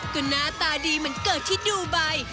ก็หน้าตาดีเหมือนเกิดที่ดูไบ